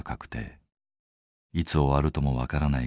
いつ終わるとも分からない